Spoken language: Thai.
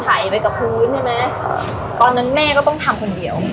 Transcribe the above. ไหลไปกับพื้นใช่ไหมตอนนั้นแม่ก็ต้องทำคนเดียว